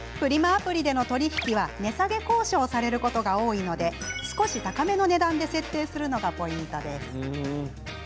アプリでの取引は値下げ交渉されることが多いので少し高めの値段で設定するのがポイントです。